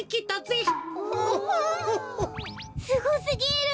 すごすぎる。